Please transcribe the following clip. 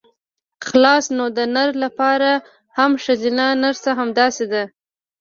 خلاص نو د نر لپاره هم ښځينه نرسه همداسې ده.